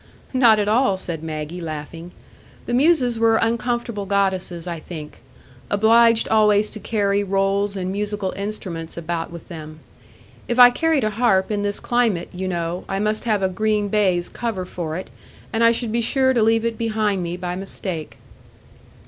"Not at all," said Maggie, laughing. "The Muses were uncomfortable goddesses, I think,—obliged always to carry rolls and musical instruments about with them. If I carried a harp in this climate, you know, I must have a green baize cover for it; and I should be sure to leave it behind me by mistake."